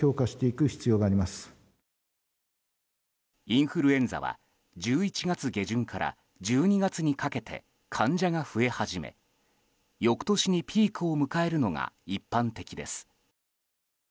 インフルエンザは１１月下旬から１２月にかけて患者が増え始め翌年にピークを迎えるのが一般的です。